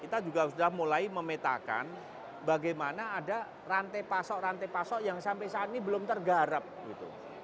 kita juga sudah mulai memetakan bagaimana ada rantai pasok rantai pasok yang sampai saat ini belum tergarap gitu